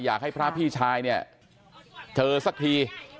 อยากให้พระพี่ชายเนี่ยเจอสักที